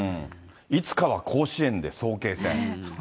いつかは甲子園で早慶戦。